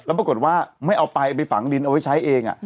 แล้วปรากฏว่าไม่เอาไปไปฝังริ้นเอาให้ใช้เอง